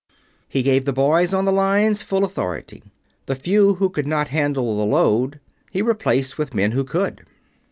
He gave the boys on the Lines full authority; the few who could not handle the load he replaced with men who could.